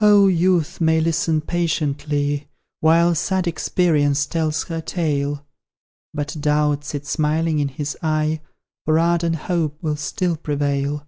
Oh, Youth may listen patiently, While sad Experience tells her tale, But Doubt sits smiling in his eye, For ardent Hope will still prevail!